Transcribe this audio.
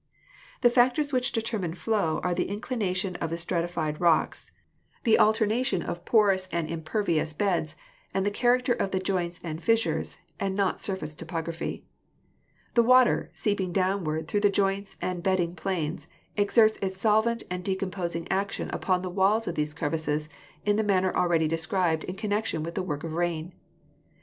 The factors which determine flow are the inclination of the stratified rocks, the alternation of porous and impervi 136 GEOLOGY ous beds, and the character of the joints and fissures and not surface topography. The water, seeping downward through the joints and bedding planes, exerts its solvent and decomposing action upon the walls of these crevices, in the manner already described in connection with the work of rain.